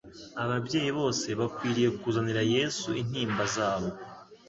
Ababyeyi bose bakwiriye kuzanira Yesu intimba zabo.